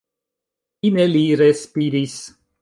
Fine li respiris.